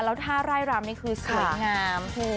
แล้วท่าไร่รำนี่คือสวยงาม